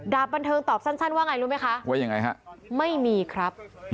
ดาบบันเทิงตอบสั้นว่าไงรู้ไหมคะครับไม่มีครับ